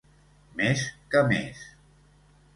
Més que més.